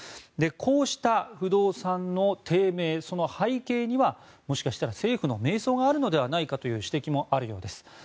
こうした不動産の低迷その背景にはもしかしたら政府の迷走があるのではという指摘もあるようです。